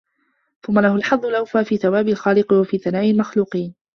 ثُمَّ لَهُ الْحَظُّ الْأَوْفَى فِي ثَوَابِ الْخَالِقِ وَثَنَاءِ الْمَخْلُوقِينَ